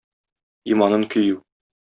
Иманын көю